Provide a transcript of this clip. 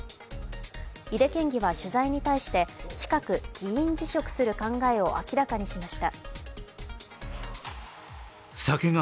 井手県議は取材に対して、近く議員辞職する考えを明らかにしました。